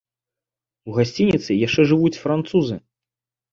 У гасцініцы яшчэ жывуць французы.